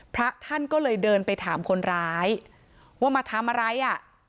พระท่านก็เลยเดินไปถามคนร้ายว่ามาทำอะไรอ่ะ